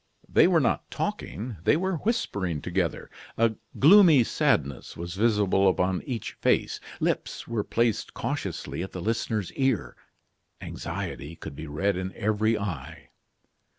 They were not talking, they were whispering together. A gloomy sadness was visible upon each face; lips were placed cautiously at the listener's ear; anxiety could be read in every eye.